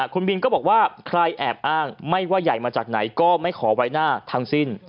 คุณบินก็บอกว่าใครแอบอ้างไม่ว่าใหญ่มาจากไหนก็ไม่ขอไว้หน้าทั้งสิ้น